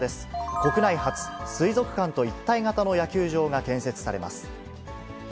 国内初、水族館と一体型の野球場が建設されます。